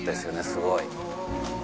すごい。